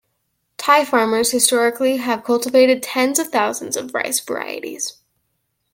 Thai farmers historically have cultivated tens of thousands of rice varieties.